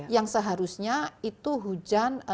yang seharusnya itu hujan